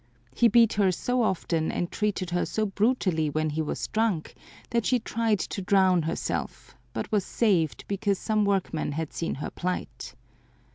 He beat her so often and treated her so brutally when he was drunk that she tried to drown herself, but was saved because some workmen had seen her plight.